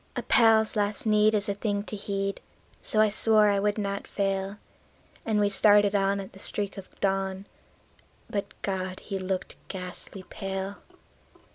A pal's last need is a thing to heed, so I swore I would not fail; And we started on at the streak of dawn; but God! he looked ghastly pale.